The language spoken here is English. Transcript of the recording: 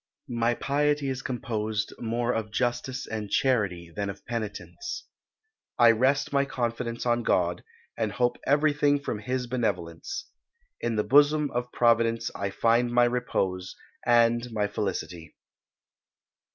My piety is composed more of justice and charity than of penitence. I rest my confidence on God, and hope everything from His benevolence. In the bosom of Providence I find my repose, and my felicity."